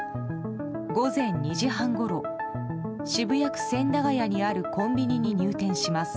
午前２時半ごろ渋谷区千駄ヶ谷にあるコンビニに入店します。